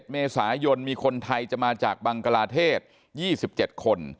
๑เมษายนมีคนไทยจะมาจากบังกลาเทศ๒๗คน